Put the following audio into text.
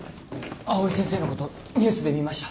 藍井先生のことニュースで見ました。